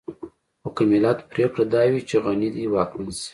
خو که د ملت پرېکړه دا وي چې غني دې واکمن شي.